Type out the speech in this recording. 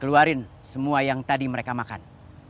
keluarin semua yang tadi mereka makan